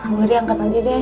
nanti angkat aja deh